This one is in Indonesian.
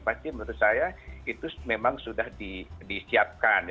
pasti menurut saya itu memang sudah disiapkan